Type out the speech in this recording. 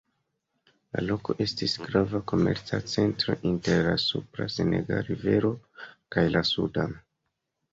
La loko estis grava komerca centro inter la supra Senegal-rivero kaj la Sudan.